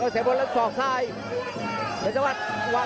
พยายามจะตีจิ๊กเข้าที่ประเภทหน้าขาครับ